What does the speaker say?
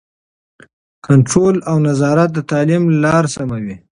کنټرول او نظارت د تعلیم لاره سموي.